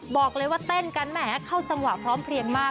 บอกเลยว่าเต้นกันแหมเข้าจังหวะพร้อมเพลียงมาก